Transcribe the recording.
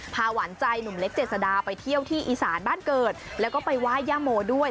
หวานใจหนุ่มเล็กเจษดาไปเที่ยวที่อีสานบ้านเกิดแล้วก็ไปไหว้ย่าโมด้วย